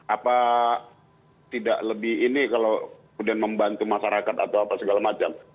apa tidak lebih ini kalau kemudian membantu masyarakat atau apa segala macam